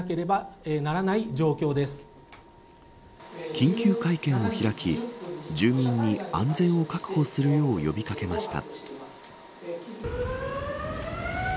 緊急会見を開き住民に安全を確保するよう呼び掛けました。